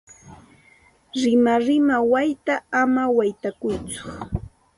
Rimarima wayta ama waytakuytsu.